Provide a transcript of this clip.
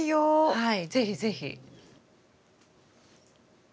はい是非是非。